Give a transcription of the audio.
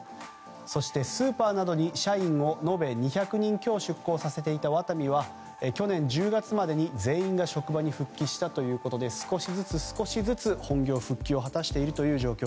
そして、スーパーなどに社員を延べ２００人強出向させていたワタミは去年１０月までに全員が職場に復帰したということで少しずつ本業復帰を果たしています。